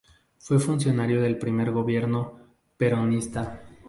Fue funcionario del primer gobierno peronista.